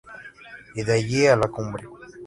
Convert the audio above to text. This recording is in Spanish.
Y de allí a la cumbre.